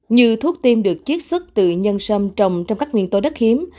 như thuốc tiêm được chiết xuất từ nhân sâm trồng trong các nguyên tố đất hiếm